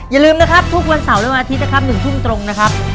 อย่าลืมนะครับทุกวันเสาร์และวันอาทิตย์นะครับ